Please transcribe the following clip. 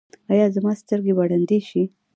ایا زما سترګې به ړندې شي؟